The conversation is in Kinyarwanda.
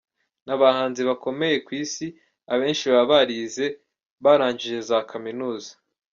N’abahanzi bakomeye ku Isi abenshi baba barize, barangije za Kaminuza.